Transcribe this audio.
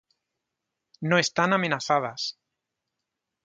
No están amenazadas.